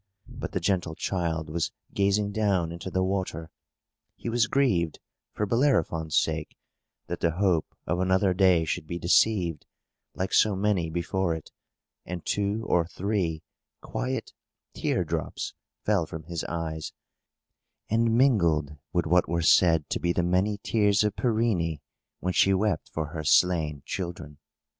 But the gentle child was gazing down into the water; he was grieved, for Bellerophon's sake, that the hope of another day should be deceived, like so many before it; and two or three quiet tear drops fell from his eyes, and mingled with what were said to be the many tears of Pirene, when she wept for her slain children.